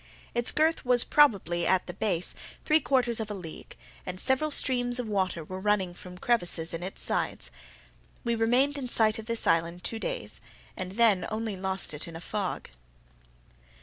Its girth was probably, at the base, three quarters of a league, and several streams of water were running from crevices in its sides. We remained in sight of this island two days, and then only lost it in a fog.